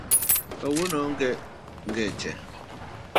Kawuono onge geche